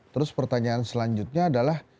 terus pertanyaan selanjutnya adalah